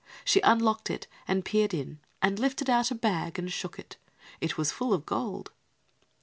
She unlocked it and peered in and lifted out a bag and shook it. It was full of gold.